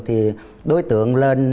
thì đối tượng lên